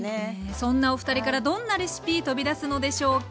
そんなおふたりからどんなレシピ飛び出すのでしょうか。